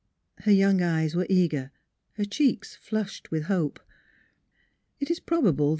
Her young eyes were eager, her cheeks flushed with hope. It is probable that M.